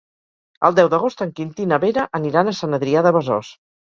El deu d'agost en Quintí i na Vera aniran a Sant Adrià de Besòs.